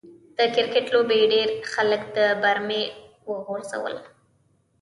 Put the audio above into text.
د کرکټ لوبې ډېر خلک د برمې و غورځول.